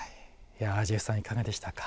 いやジェフさんいかがでしたか？